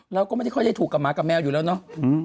เราก็ไม่ค่อยได้ถูกกับหมากับแมวอยู่แล้วเนาะ